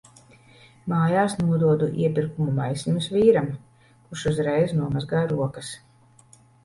Mājās nododu iepirkumu maisiņus vīram, kurš uzreiz nomazgā rokas.